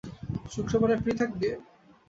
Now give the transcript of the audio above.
শুক্রবারে ফ্রি থাকবি?